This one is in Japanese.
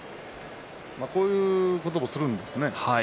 こういうこともするんですね